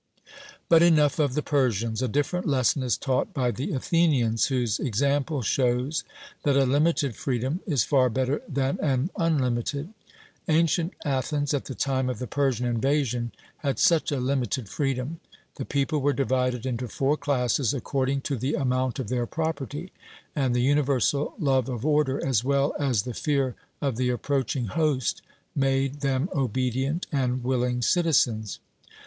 But enough of the Persians: a different lesson is taught by the Athenians, whose example shows that a limited freedom is far better than an unlimited. Ancient Athens, at the time of the Persian invasion, had such a limited freedom. The people were divided into four classes, according to the amount of their property, and the universal love of order, as well as the fear of the approaching host, made them obedient and willing citizens.